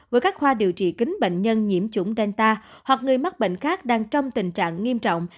với các khoa điều trị kính bệnh nhân nhiễm chủng delta hoặc người mắc bệnh khác đang trong tình trạng nghiêm trọng